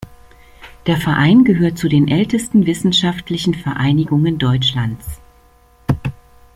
Der Verein gehört zu den ältesten wissenschaftlichen Vereinigungen Deutschlands.